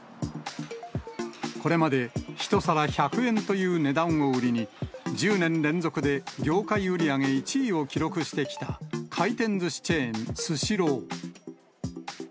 これまで１皿１００円という値段を売りに、１０年連続で業界売り上げ１位を記録してきた回転ずしチェーン、スシロー。